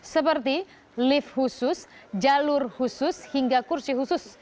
seperti lift khusus jalur khusus hingga kursi khusus